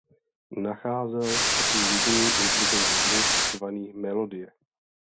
Nacházel se tu jediný inteligentní druh zvaný Melodie.